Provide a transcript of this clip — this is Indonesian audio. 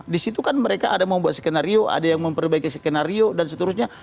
di situ kan mereka ada membuat skenario ada yang memperbaiki skenario dan seterusnya